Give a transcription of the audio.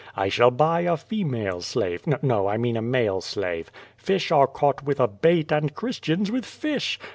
I shall buy a female slave. No, I mean a male slave. Fish are caught with a bait and Christians with fish.